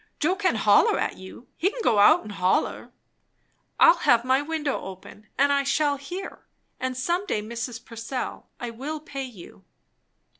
"Joe can holler at you. He can go out and holler." "I'll have my window open, and I shall hear. And some day, Mrs. Purcell, I will pay you."